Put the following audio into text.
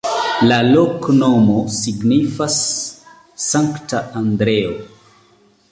La loknomo signifas: Sankta Andreo.